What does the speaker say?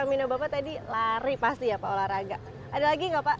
lari lagi gak pak